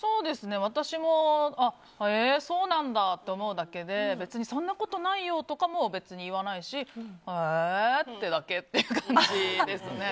私も、へーそうなんだと思うだけで別にそんなことないよとかも言わないしへえってだけって感じですね。